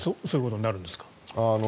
そういうことになるんですか。